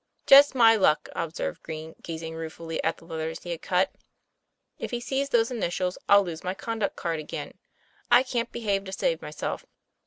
'Just my luck," observed Green, gazing ruefully at the letters he had cut. * If he sees those initials I'll lose my conduct card again. I can't behave, to save myself."